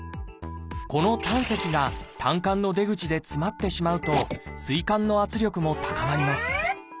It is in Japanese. この胆石が胆菅の出口で詰まってしまうとすい管の圧力も高まります。